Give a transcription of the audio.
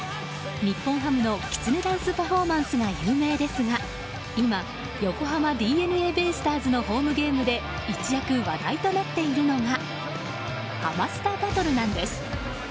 日本ハムのきつねダンスパフォーマンスが有名ですが今、横浜ＤｅＮＡベイスターズのホームゲームで一躍話題となっているのがハマスタバトルなんです。